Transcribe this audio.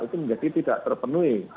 itu menjadi tidak terpenuhi